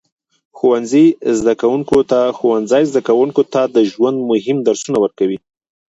ښوونځی زده کوونکو ته د ژوند مهم درسونه ورکوي.